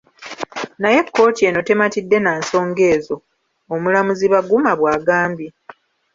Naye kkooti eno tematidde na nsonga ezo,” Omulamuzi Baguma bw'agambye.